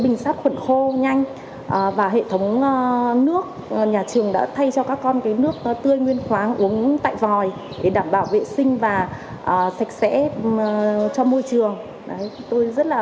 nhà trường đã thay cho các con nước tươi nguyên khoáng uống tại vòi để đảm bảo vệ sinh và sạch sẽ cho môi trường